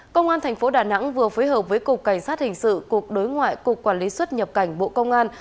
công an tp đà nẵng vừa phối hợp với cục cảnh sát hình sự cục đối ngoại cục quản lý xuất nhập cảnh bộ công an